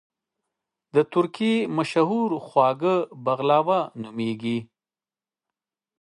د ترکی مشهور خواږه بغلاوه نوميږي